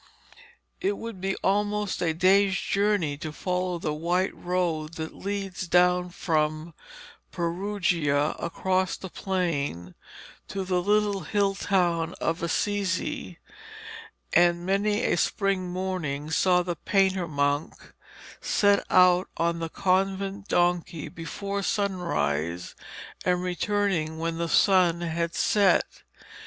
It would be almost a day's journey to follow the white road that leads down from Perugia across the plain to the little hill town of Assisi, and many a spring morning saw the painter monk setting out on the convent donkey before sunrise and returning when the sun had set.